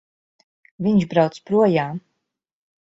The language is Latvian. Viņš brauc projām!